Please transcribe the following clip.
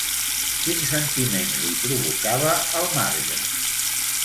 Quins sentiments li provocava el marge?